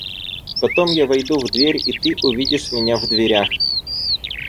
Потом я войду в дверь и ты увидишь меня в дверях.